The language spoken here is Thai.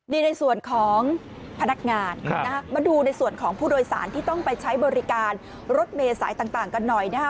นี่ในส่วนของพนักงานมาดูในส่วนของผู้โดยสารที่ต้องไปใช้บริการรถเมษายต่างกันหน่อยนะฮะ